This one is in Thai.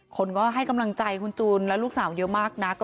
คนก็ให้กำลังใจคุณจูนและลูกสาวเยอะมากนะ